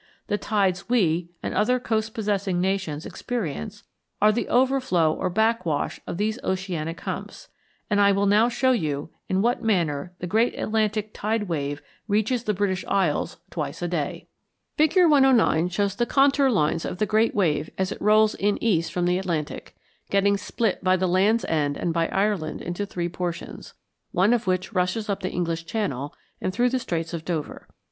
The tides we, and other coast possessing nations, experience are the overflow or back wash of these oceanic humps, and I will now show you in what manner the great Atlantic tide wave reaches the British Isles twice a day. [Illustration: FIG. 109. Co tidal lines.] Fig. 109 shows the contour lines of the great wave as it rolls in east from the Atlantic, getting split by the Land's End and by Ireland into three portions; one of which rushes up the English Channel and through the Straits of Dover.